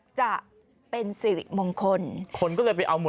จะเป็นสิริมงคล